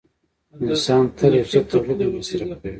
انسان تل یو څه تولید او مصرف کوي